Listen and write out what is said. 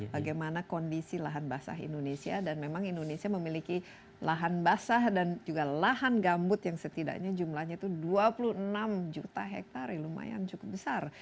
bagaimana kondisi lahan basah indonesia dan memang indonesia memiliki lahan basah dan juga lahan gambut yang setidaknya jumlahnya itu dua puluh enam juta hektare lumayan cukup besar